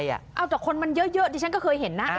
เอาแต่คนมันเยอะดิฉันก็เคยเห็นนะ